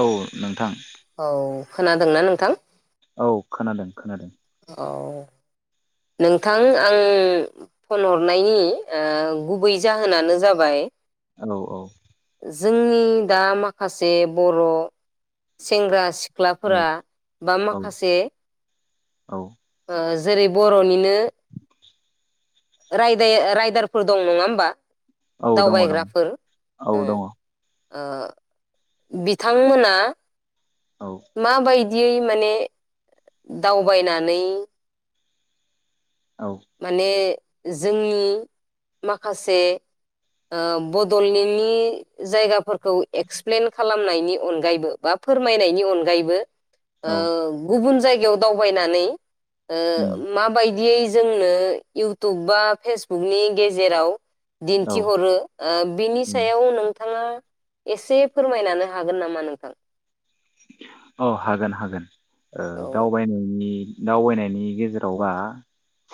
औ नोंथां ओं खोनादोंना नोंथां? औ खोनादों खोनादों। औ नोंथां आं फन हरनायनि ओ गुबै जाहोनानो जाबाय औ औ जोंनि दा माखासे बर' सेंग्रा सिख्लाफोरा बा औ माखासे औ। ओ जेरै बर'निनो रायदाय ओ रायदारफोर दं नङा होमबा? औ दङ दङ दावबायग्राफोर औ। ओ बिथांमोना औ मा बाय दियै माने दावबायनानै औ माने जोंनि माखासे ओ बडलेण्डनि जायगाफोरखौ एक्सप्लेन खालामनायनि अनगायैबो बा फोरमायनायनि अनगायैबो ओ औ गुबुन जायग याव दावबायनानै ओ उम माबायदियै जोंनो इउटुब बा फेसबुकनि गेजेराव औ दिन्थिहरो ओ बिनि उम सायाव नों थाङा एसे फोरमायनानो हागोन नामा नोंथां? अ हागोन हागोन ओ औ दावबायनायनि दावबायनायनि गेजेरावबा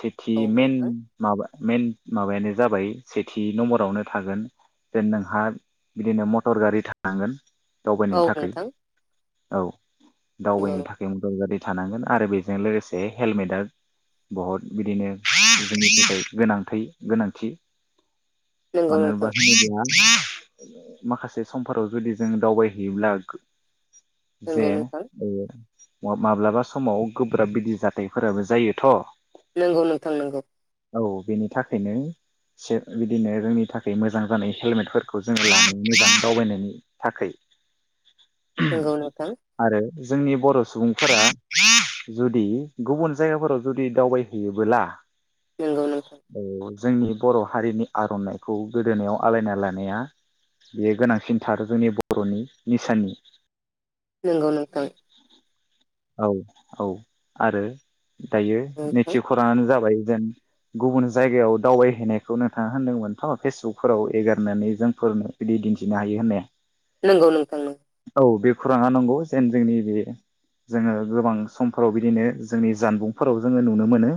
सेथि औ मेन नोंथां माबा मेन माबायानो जाबाय सेथि नम्बरावनो थागोन जेन नोंहा बिदिनो मटर गारि थानांगोन दावबायनो औ थाखाय नोंथां औ नंगौ दावबायनो थाखाय मथर गारि थानांगोन आरो बेजों लोगोसे हेलमेटआ बहुद बिदिनो जोंनि थाखाय गोनांथि गोनांथि नंगौ मानो बा नोंथां [unintelligible] माखासे समफोराव जुदि जों दावबायहैयोब्ला जे नंगौ नोंथां माब्लाबा समाव गोब्राब बिदि जाथायफोराबो जायोथ नंगौ नोंथां नंगौ औ बेनि थाखायनो से बिदिनो जोंनि थाखाय मोजां जानाय हेलमेटफोरखौ जोंङो लानानै मोजां दावबायनायनि थाखै नंगौ नोंथां जोंनि बर सुबुंफोरा जुदि गुबुन जायगाफोराव जुदि दावबायहैयोबोला नंगौ नोंथां औ जोंनि बर हारिनि आरनाइखौ गोदोनायाव आलायना लानाया बेयो गोनांसिनथार जोंनि बरनि निसाननि नंगौ नोंथां औ-औ आरो दायो नोंथां नैथि खराङानो जाबाय जेन गुबुन जायगायाव दावबायहैनायखौ नोंथाङा होनदोंमोनथ फेसबुकफोराव एगारनानै जोंफोरनो बिदि दिन्थिनो हायो होननाया नंगौ नोंथां नोंगौ औ बेखौ राङा नंगौ जेन जोंनि बे जोङो गोबां समफोराव बिदिनो जोंनि जानबुंफोराव जोङो नुनो मोनो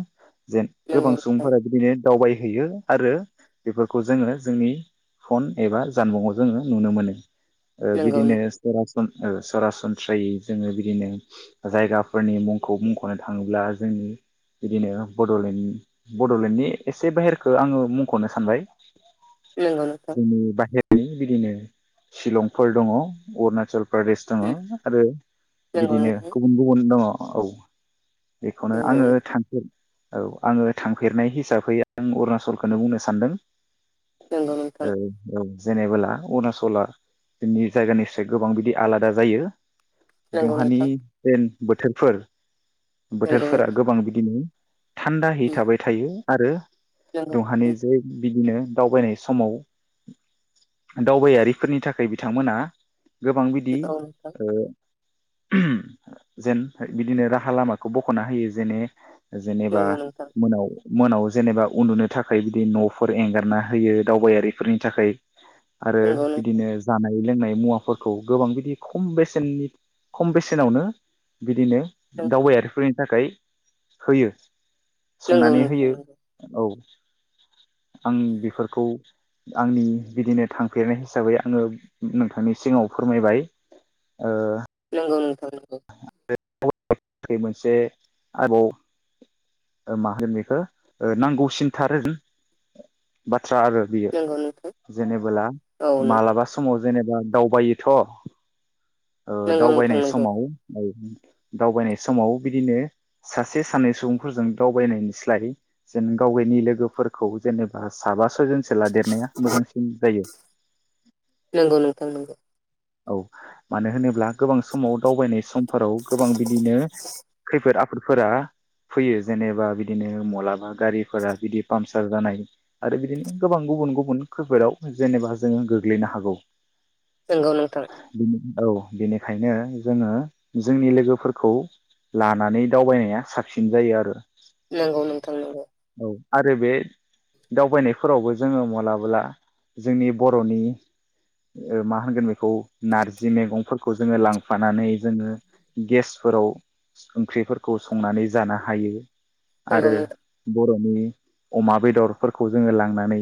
जेन नंगौ गोबां नोंथां सुबुंफोरा बिदिनो दावबायहैयो आरो बेफोरखौ जोङो जोंनि फन एबा जानबुंआव जोङो नुनो मोनो। ओ नंगौ बिदिनो सरास सरासनस्रायै जोङो बिदिनो जायगाफोरनि मुंखौ मुंखनो थाङोब्ला जोंनि बिदिनो बडलेण्ड बडलेण्डनि एसे बाहेरखौ आङो मुंखनो सानबाय नोंगौ नोंथां जोंनि बाहेरनि बिदिनो शिलंफोर दङ अरुणाचल प्रदेश दङ आरो नंगौ बिदिनो नोंथां [unintelligible] दङ औ बेखौनो नंगौ आङो थांगोन औ आङो थांफेरनाय हिसाबै आं अरुणचलखौनो बुंनो सानदों नंगौ नोंथां ओ औ जेनेबोला अरुणाचला जोंनि जायगानिफ्राय गोबां बिदि आलादा जायो नंगौ दुंहानि नोंथां बोथोरफोर नंगौ बोथोरफोरा नोंथां गोबां बिदिनो थान्दाहै थाबाय थायो आरो नंगौ दहानि जै बिदिनो दावबायनाय समाव दावबायारिफोरनि थाखाय बिथांमोना गोबां बिदि औ नोंथां ओ [unintelligible] जेन हो बिदिनो राहा लामाखौ बखना होयो जेने जेनेबा नंगौ नोंथां मोनाव मोनाव जेनेबा उन्दुनो थाखाय बिदि नफोर एंगारना होयो दावबायारिफोरनि थाखाय आरो नंगौ नोंथां बिदिनो जानाय लोंनाय मुवाफोरखौ गोबां बिदि खम बेसेननि खम बेसेनावनो बिदिनो दावबायारि फोरनि थाखाय होयो नंगौ संनानै नोंथां होयो नंगौ औ आं बेफोरखौ आंनि बिदिनो थांफेरनाय हिसाबै आङो नोंथांनि सिगाङाव फोरमायबाय ओ ओं नोंथां नंगौ बहुथ मोनसे आबाव ओ मा होनो बेखौ ओ नांगौसिनथार बाथ बाथ्रा आरो बियो नंगौ नोंथां जेनेबोला औ नोंथां मालाबा समाव जेनेबा दावबायोथ ओ नंगौ नोंथां दावबायनाय समाव औ उम दावबायनाय समाव बिदिनो सासे सानै सुबुंफोरजों दावबायनायनिस्लाय जेन गावगायनि लोगोफोरखौ जेनेबा साबा स सयजनसो लादेरनाया मोजांसिन जायो नोंगौ नोंथां नोंगौ औ मानो होनोब्ला गोबां समाव दावबायनाय सम फोराव गोबां बिदिनो खैफोद आफो दफोरा फैयो जेनेबा बिदिनो मलाबा गारिफोरा बिदि पामसार जानाय आरो बिदिनो गोबां गुबुन गुबुन खैफोदाव जेनेबा जोङो गोग्लैनो हागौ नोंगौ नोंथां औ औ बेनिखायनो जोङो जोंनि लोगोफोरखौ लानानै दावबायनाया साबसिन जायो आरो नंगौ नोंथां नंगौ औ आरो बे दावबायनायफोरावबो जोङो मलाबोला जोंनि बरनि मा ओ होनगोन बे खौ नारजि मेगंफोरखौ जोङो लांफानानै जोङो गेसफोराव ओंख्रिफोरखौ संनानै जानो हायो। आरो नोंथां बर [unintelligible] अमा बेदरफोरखौ जोङो लांनानै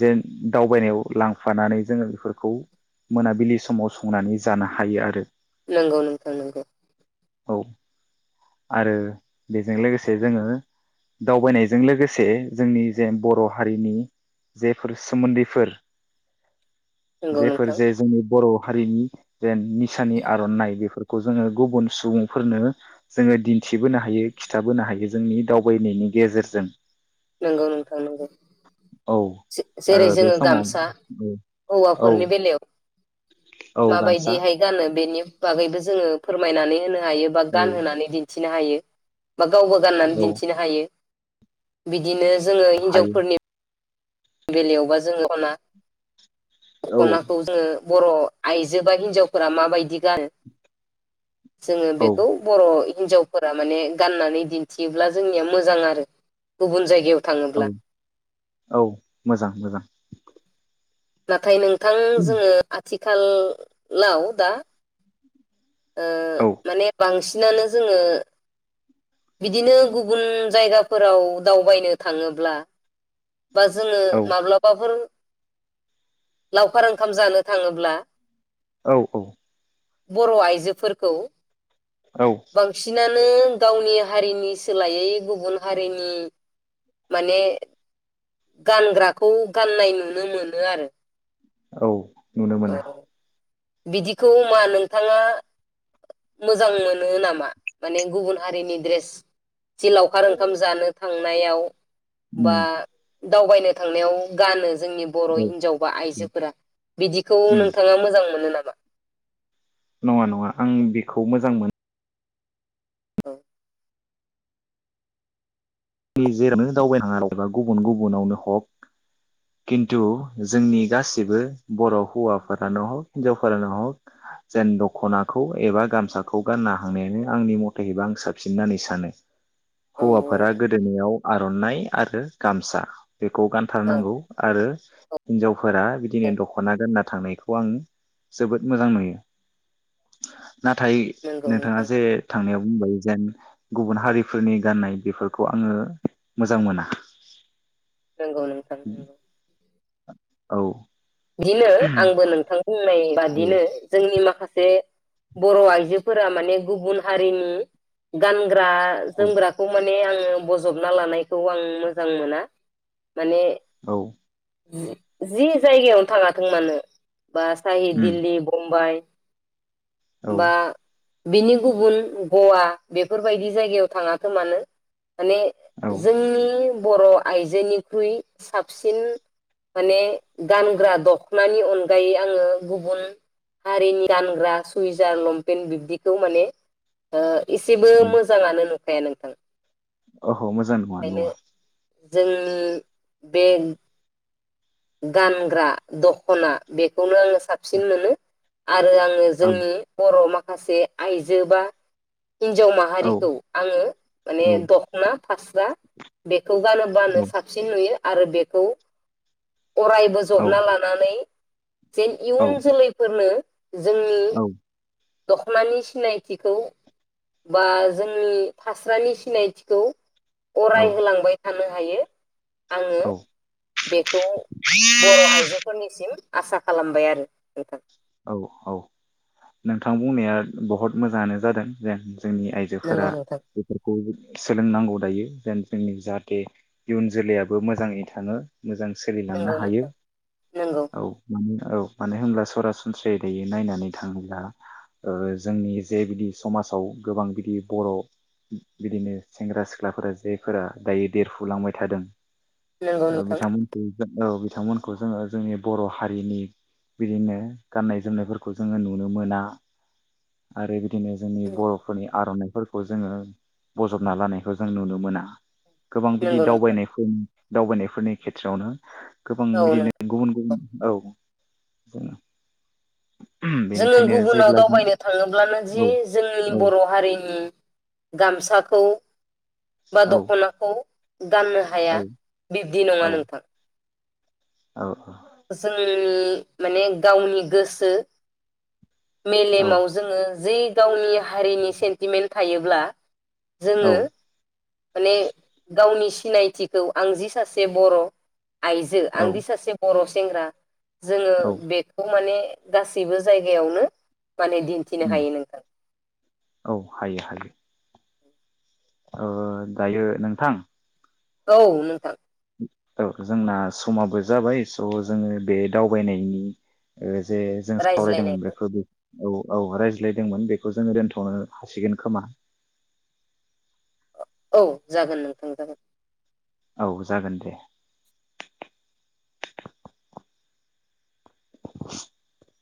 जेन दावबायनायाव लांफानानै जोङो बेफोरखौ मोनाबिलि समाव संनानै जानो हायो आरो नोंगौ नोंथां नोंगौ। औ आरो बेजों लोगोसे जोङो दावबायनायजों लोगोसे जोंनि जे बर हारिनि जेफोर सोमोन्दैफोर नोंगौ जेफोर नोंथां। जे जोंनि बर हारिनि जेन निसानि आरनाइ बेफोरखौ जोङो गुबुन सुबुंफोरनो जोङो दिन्थिबोनो हायो खिथाबोनो हायो जोंनि दावबायनायनि गेजेरजों। नोंगौ नोंथां नोंगौ औ जे जेरै आरो बे जोङो समाव गामसा औ हौवाफोरनि बेलायाव औ गामसा माबायदिहाय गानो? बेनि बागैबो जोङो फोरमायनानै होनो हायो बा औ गानहोनानै दिन्थि थिनो हायो बा गावबो गाननानै औ दिन्थिनो हायो। बिदिनो जोङो हायो हिनजावफोरनि बेलायावबा जोंङो खना औ दखनाखौ जोंङो बर आइजो बा हिनजावफोरा माबायदि गानो जोङो औ बेखौ बर हिनजावफोरा माने गाननानै दिन्थियोब्ला जोंनिया मोजां आरो गुबुन जायगायाव औ थाङोब्ला औ मोजां मोजां। नाथाय नों थां जोङो आथिखा खाल लाव दा ओ औ माने बांसि सिनानो जोङो बिदिनो गुबुन जायगाफोराव दावबायनो थाङोब्ला बा जोङो औ माब्लाबाफोर लावखार ओंखाम जानो थांङोब्ला औ औ बर'आइजोफोरखौ औ बांसिनानो गावनि हारिनि सोलायै गुबुन हारिनि माने गानग्राखौ गाननाय नुनो मोनो आरो। औ नुनो मोनो। अ बिदिखौ मा नोंथाङा मोजां मोनो नामा? माने गुबुन हारिनि ड्रेस जि लावखार ओंखाम जानो थांनायाव उम बा दावबायनो थांनायाव गानो। जोंनि बर' औ हिनजाव बा आइजोफोरा बिदिखौ उम नोंथाङा मोजां नाबा? नंङा नंङा आं बेखौ मोजां मोन औ [inaudible] दावबायनो थाङा गुबुन गुबुनावनो हक खिन्थु जोंनि गासिबो बर' हौवाफोरानो हक, हिनजावफोरानो हक जेन दखनाखौ एबा गामसाखौ गाननो हानायानो आंनि मथेहैबा आं साबसिन होननानै सानो। औ औ औ आरनाइ आरो गामसा बेखौ औ औ गानथारनांगौ आरो हिनजाव फोरा बिदिनो दख'ना गोनना थांनायखौ आं जोबोद मोजां नुयो। नाथाय नंगौ नोंथाङा नोंथां जे थांनायाव औमबाय जेन गुबुन हारिफोरनि गाननाय बेफोर खौ आंङो मोजां मोना। नंगौ नोंथां नंगौ। औ बिदिनो आंबो नोंथां बुंनाय इनबा बिनो औ जोंनि मा खासे बर'आइजोफोरा माने गुबुन हारिनि गान ग्रा औ जोमग्राखौ माने ने आंङो बजबना लानायखौ आं मोजां मोना। माने औ जि-जि जायगायाव थांङा थों मानो बा साहि उम दिल्ली, बुम्बाइ औ बा बिनि गुबुन गवा बेफोरबायदि जायगायाव थाङाथों मानो माने औ जोंनि बर आइजोनिख्रुइ साबसिन माने गानग्रा दखनानि अनगायै आङो गुबुन हारिनि गानग्रा सुइजार लंपेेनट बिब्दिखौ माने ओ एसेबो मोजाङानो न [unintelligible] नोंथां अह मोजां नङा नुआ जों बे गानग्रा दखना बेखौनो साबसिन मोनो। आरो आङो औ जोंनि बर माख खासे आइजो बा हिन्जाव औ माहारिखौ आङो माने औ दखना फास्रा बेे खौ गानोबानो साबसिन नुयो। आरो बेखौ अराय औ बजना लानानै जेन औ इयुन जोलैफोरनो जोंनि दखनानि सिनायथिखौ बा जोंनि फास्रानि सिनायथिखौ औ अराय होलांबाय थानो हायो। आङो औ बेख खौ बर आइजोफोरनिसिम आसा खालामबाय आरो नोंथां औ औ नोंथां बुंनाया बुहुत मोजाङानो जादों जेन जोंनि आइजोफोरा नंगौ नोंथां बेफोरखौ सोलोंनांगौ दायो जेन जोंनि जाहाथे इयुन जोलैयाबो मोजाङै थाङो। मोजां सोलिलांनो नंगौ हायो नोंथां नंगौ औ मानोना औ मानो होनब्ला सरासन सनस्रायै दायोै नायनानै थाङोब्ला ओ जोंनि जे बिदि समाजाव गोबां बिदि बर बिदिनो सेंग्रा सिख्लाफोरा जायफोरा दायो देरफुलांबाय थादों। नंगौ औ नोंथां बिथांमोनखौ औ बिथांमोनखौ जोङो जोंनि बर हारिनि बिदिनो गाननाय जोमनायफोरखौ जोङो नुनो मोना आरो बि बिदिनो जोंनि बरफोरनि आरनाइफोर खौ जोङो बजबना लानायखौ जों नुनो मोना। गोबां बिदि नंगौ नोंथां दावबायनायफोन। दावबायनायफोरनि खेथ्रआवनो। गोबां औ बिदिनो नोंथां गुबुन गुबुन औ। दङ। जोङो गुबुनाव दावबायनो थाङोब्लानो जि जों जोंनि औ बर' हारिनि गामसा। खौ। बा औ दखनाखौ गाननो हाया औ बिब्दि औ नङा नोंथां। औ औ। जोंनि माने गावनि गोसो। औ मेलेमाव जोङो। जि गावनि हारिनि सेन्टिमेन्ट थायोब्ला। औ जोङो। माने गावनि सिनायथिखौ आं दि सासे बर'। आइजो औ आंनि सासे। बर' सेंग्रा। जोङो औ बेखौ माने। गासैबो जायगायावनो। माने दिन्थिनो उम हायो नोंथां। औ हायो हायो ओ दायो नोंथां। औ नोंथां। औ जोंना समाबो जाबाय स जोङो बे दावबायनायनि ओ। जे जों सावरायदोंमोन रायज्लायनायखौ बेखौ बे। औ औ रायज्लायदोंमोन बेखौ जोङो दोनथनो हासिगोन खोमा। औ जागोन नोंथां जागोन। औ जागोन दे। [inaudible]